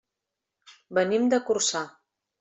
Venim de Corçà.